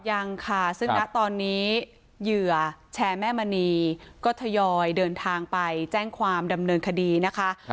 ยังค่ะซึ่งณตอนนี้เหยื่อแชร์แม่มณีก็ทยอยเดินทางไปแจ้งความดำเนินคดีนะคะ